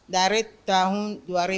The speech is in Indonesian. dari tahun dua ribu empat belas